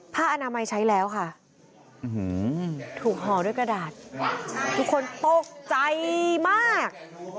อนามัยใช้แล้วค่ะถูกห่อด้วยกระดาษทุกคนตกใจมาก